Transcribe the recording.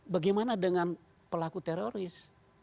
bagaimana dengan pelaku teroris